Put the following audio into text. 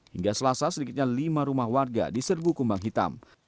hingga selasa sedikitnya lima rumah warga diserbu kumbang hitam